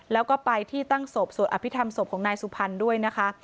แล้วก็ไปที่ตั้งศพสวดอภิษฐรรมศพของนายสุพรรณด้วยนะคะ